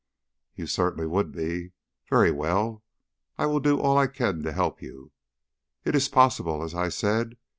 "You certainly would be. Very well, I will do all I can to help you. It is possible, as I said.